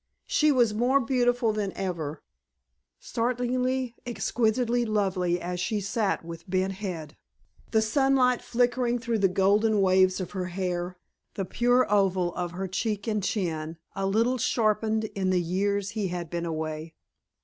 She was more beautiful than ever, startlingly, exquisitely lovely, as she sat with bent head, the sunlight flickering through the golden waves of her hair, the pure oval of her cheek and chin a little sharpened in the years he had been away.